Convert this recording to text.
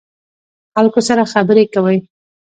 خلکو سره خبرې کوئ؟